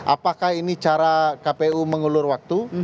apakah ini cara kpu mengulur waktu